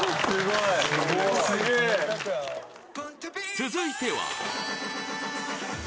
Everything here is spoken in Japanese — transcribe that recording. ［続いては］